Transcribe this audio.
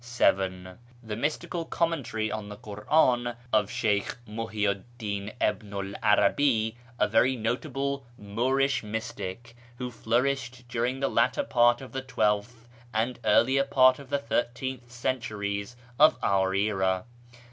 7. The mystical commentary on the Kur'an of Sheykh Muhiyyu 'd Din ibnu 'l 'Arabi, a very notable Moorish mystic, who flourished during the latter part of the twelfth and earlier part of the thirteenth centuries of our era.